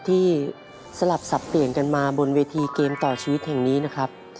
สลับสับเปลี่ยนกันมาบนเวทีเกมต่อชีวิตแห่งนี้นะครับ